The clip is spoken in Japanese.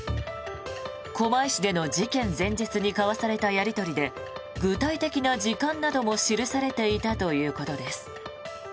狛江市での事件前日に交わされたやり取りで具体的な時間なども記されていたということです。